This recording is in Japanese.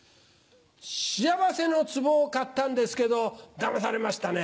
幸せの壺を買ったんですけどだまされましたね。